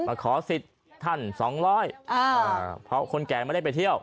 มาขอสิทธิ์ท่านสองร้อยเพราะคนแก่ไม่ได้ไปเที่ยว